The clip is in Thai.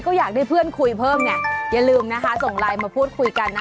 ก็อยากได้เพื่อนคุยเพิ่มเนี่ยอย่าลืมนะคะส่งไลน์มาพูดคุยกันนะ